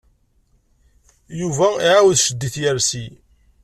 Yuba iεawed ccedd i tyersi.